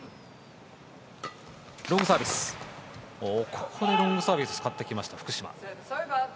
ここでロングサービスを使ってきました、福島。